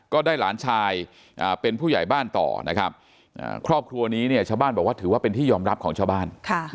ก็ได้หลานชายเป็นผู้ใหญ่บ้านต่อนะครับครอบครัวนี้เนี่ยชาวบ้านบอกว่าถือว่าเป็นที่ยอมรับของชาวบ้าน